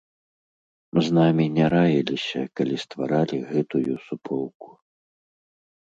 З намі не раіліся, калі стваралі гэтую суполку.